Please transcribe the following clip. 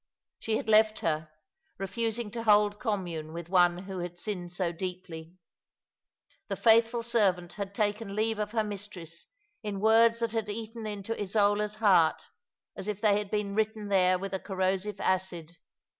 She had left her, refusing to hold commune with one who had sinned so deeply. The faithful servant had taken leave of her mistress in words that had eaten into Isola's heart, as if they had been written there with a corrosive acid.